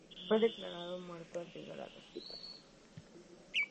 Fue declarado muerto al llegar al hospital.